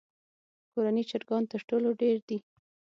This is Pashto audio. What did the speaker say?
کورني چرګان تر ټولو ډېر دي.